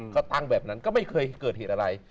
เขาตั้งแบบนั้นก็ไม่เคยเกิดเหตุอะไร